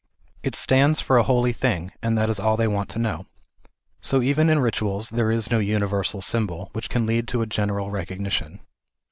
It stands for a holy thing, and that is all they want to know. So even in rituals there is no universal symbol, which can lead to general recognition.